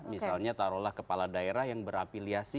misalnya taruhlah kepala daerah yang berafiliasi